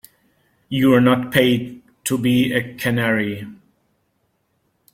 You're not paid to be a canary.